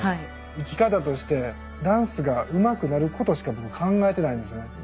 生き方としてダンスがうまくなることしか僕考えてないんですよね。